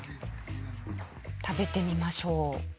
食べてみましょう。